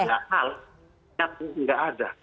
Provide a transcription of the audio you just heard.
padahal tidak ada